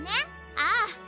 ああ。